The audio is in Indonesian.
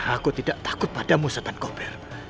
aku tidak takut padamu satan kober